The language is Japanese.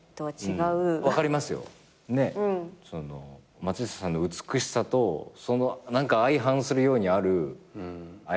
松下さんの美しさと相反するようにある危うさがね。